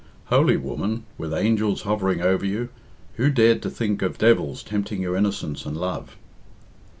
Holy woman, with angels hovering over you, who dared to think of devils tempting your innocence and love?